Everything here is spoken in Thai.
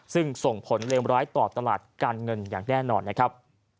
ซึ่งส่งผลเลวร้ายต่อตลาดการเงินอย่างแน่นอนนะครับ